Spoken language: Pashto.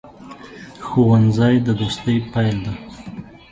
ښوونځی د دوستۍ پیل دی